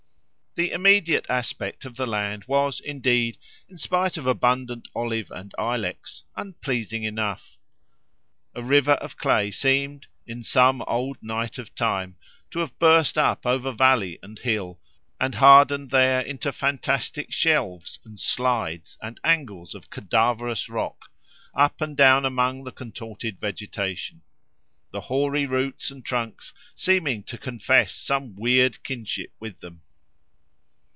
The immediate aspect of the land was, indeed, in spite of abundant olive and ilex, unpleasing enough. A river of clay seemed, "in some old night of time," to have burst up over valley and hill, and hardened there into fantastic shelves and slides and angles of cadaverous rock, up and down among the contorted vegetation; the hoary roots and trunks seeming to confess some weird kinship with them.